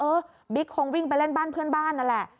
บิ๊กคงวิ่งไปเล่นบ้านเพื่อนบ้านนั่นแหละ